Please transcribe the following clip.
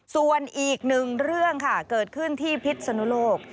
ส่วนอีกหนึ่งเรื่องค่ะเกิดขึ้นที่พิษนุโลก